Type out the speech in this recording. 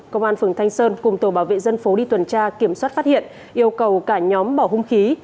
công an phường thanh sơn cùng tổ bảo vệ dân phố đi tuần tra kiểm soát phát hiện yêu cầu cả nhóm bỏ hung khí